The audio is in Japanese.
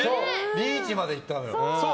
リーチまでいったのよ。